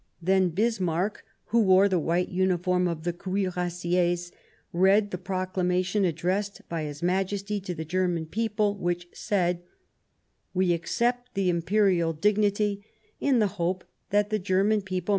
Then Bismarck, who wore the white uni form of the Cuirassiers, read the proclamation ad dressed by his Majesty to the German people, which said :" We accept the Imperial dignity in the hope that the German people m.